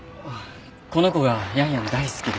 この子がヤンヤン大好きで。